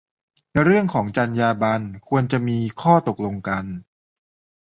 ในเรื่องของจรรยาบรรณ ควรจะมีข้อตกลงกัน